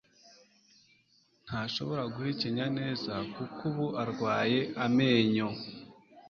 Ntashobora guhekenya neza, kuko ubu arwaye amenyo.